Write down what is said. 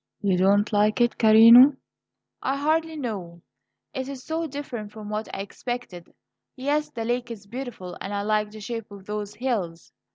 "You don't like it, carino?" "I hardly know. It's so different from what I expected. Yes, the lake is beautiful, and I like the shape of those hills."